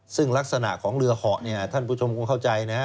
ซึ่งลักษณะของเรือเหาะเนี่ยท่านผู้ชมคงเข้าใจนะฮะ